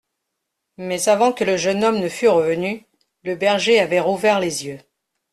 Mais avant que le jeune homme ne fût revenu, le berger avait rouvert les yeux.